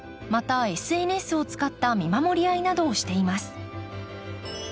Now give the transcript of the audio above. またＳＮＳを使った見守り合いなどをしています。